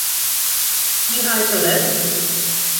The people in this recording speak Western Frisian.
Wie hy te let?